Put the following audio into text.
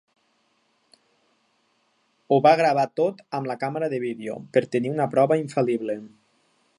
Ho va gravar tot amb la càmera de vídeo per tenir una prova infal·lible.